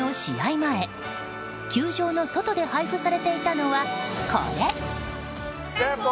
前球場の外で配布されていたのはこれ！